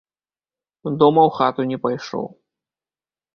Дома ў хату не пайшоў.